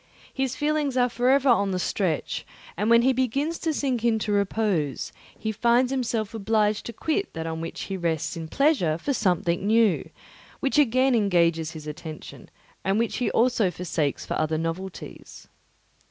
His feelings are for ever on the stretch; and when he begins to sink into repose, he finds himself obliged to quit that on which he rests in pleasure for something new, which again engages his attention, and which also he forsakes for other novelties.